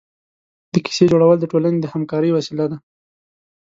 د کیسې جوړول د ټولنې د همکارۍ وسیله ده.